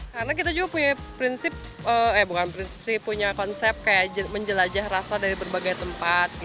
karena kita juga punya prinsip eh bukan prinsip sih punya konsep menjelajah rasa dari berbagai tempat